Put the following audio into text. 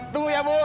tunggu ya bu